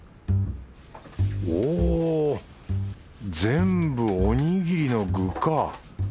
お全部おにぎりの具か。